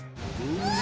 うわ！